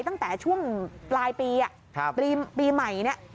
ตั้งแต่ช่วงปลายปีปีใหม่เนี่ย